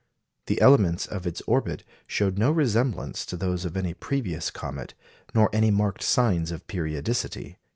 The elements of its orbit showed no resemblance to those of any previous comet, nor any marked signs of periodicity.